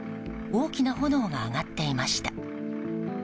大きな炎が上がっていました。